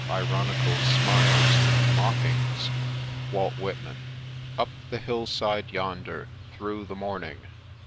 . ironical smiles and mockings." —Walt Whitman. Up the hillside yonder, through the morning."